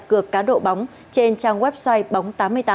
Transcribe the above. các đối tượng đã đặt cược cá độ bóng trên trang website bóng tám mươi tám